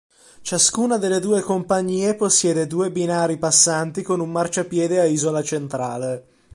Ciascuna delle due compagnie possiede due binari passanti con un marciapiede a isola centrale.